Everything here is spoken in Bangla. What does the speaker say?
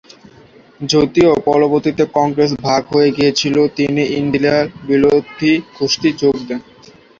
যদিও পরবর্তীতে কংগ্রেস ভাগ হয়ে গেলে তিনি ইন্দিরা বিরোধী গোষ্ঠীতে যোগ দেন।